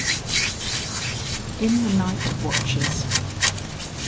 XVIII. IN THE NIGHT WATCHES.